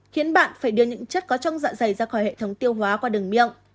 khiến bạn phải đưa những chất có trong dạ dày ra khỏi hệ thống tiêu hóa qua đường miệng